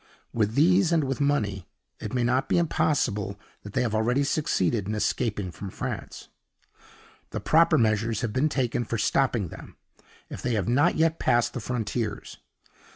With these and with money, it may not be impossible that they have already succeeded in escaping from France. The proper measures have been taken for stopping them, if they have not yet passed the frontiers.